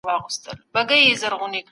د کوچني په مابينځ کي مي خپله کيسې پوره کړې.